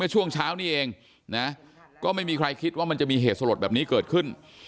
ช่วงเช้านี้เองนะก็ไม่มีใครคิดว่ามันจะมีเหตุสลดแบบนี้เกิดขึ้น